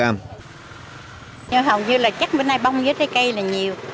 nhưng hầu như là chắc bên này bông với trái cây là nhiều